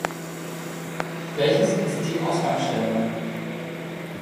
Welches ist die Ausgangsstellung?